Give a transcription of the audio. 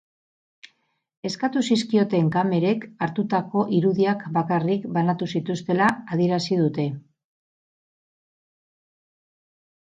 Eskatu zizkioten kamerek hartutako irudiak bakarrik banatu zituztela adierazi dute.